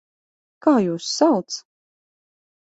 Kā jūs sauc?